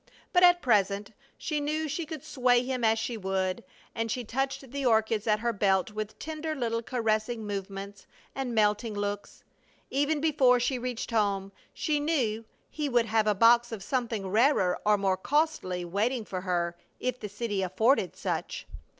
But at present she knew she could sway him as she would, and she touched the orchids at her belt with tender little caressing movements and melting looks. Even before she reached home she knew he would have a box of something rarer or more costly waiting for her, if the city afforded such.